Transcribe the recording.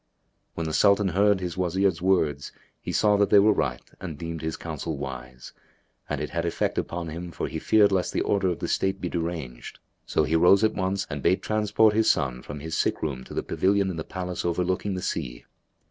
'''[FN#279] When the Sultan heard his Wazir's words he saw that they were right and deemed his counsel wise, and it had effect upon him for he feared lest the order of the state be deranged; so he rose at once and bade transport his son from his sick room to the pavilion in the palace overlooking the sea.